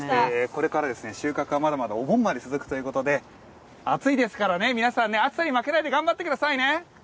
これから、収穫はまだまだお盆まで続くということで皆さん暑さに負けず頑張ってくださいね！